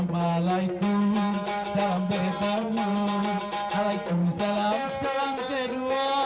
waalaikumsalam salam sejahtera